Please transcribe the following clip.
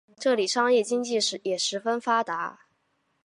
这里商业经济也十分发达。